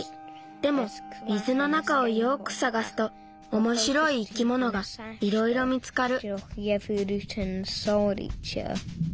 でも水の中をよくさがすとおもしろい生き物がいろいろ見つかる。